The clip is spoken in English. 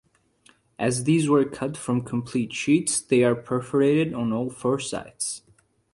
As these were cut from complete sheets, they are perforated on all four sides.